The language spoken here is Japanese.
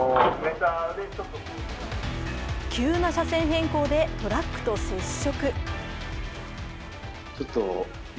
急な車線変更でトラックと接触。